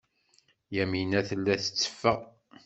Yamina tella tetteffeɣ.